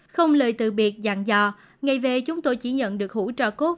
không lời từ biệt dặn dò ngày về chúng tôi chỉ nhận được hữu trò cốt